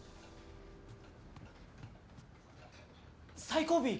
最後尾